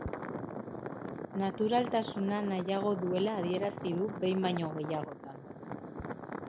Naturaltasuna nahiago duela adierazi du behin baino gehiagotan.